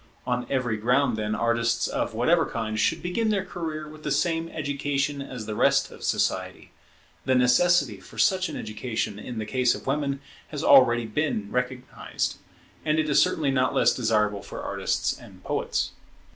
On every ground, then, artists of whatever kind should begin their career with the same education as the rest of society. The necessity for such an education in the case of women has been already recognized; and it is certainly not less desirable for artists and poets.